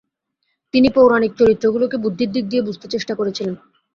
তিনি পৌরাণিক চরিত্রগুলিকে বুদ্ধির দিক দিয়ে বুঝতে চেষ্টা করেছিলেন।